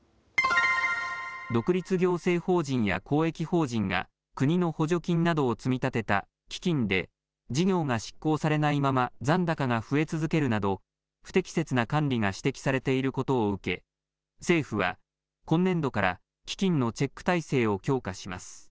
独立行政法人や公益法人が国の補助金などを積み立てた基金で事業が執行されないまま残高が増え続けるなど不適切な管理が指摘されていることを受け、政府は今年度から基金のチェック体制を強化します。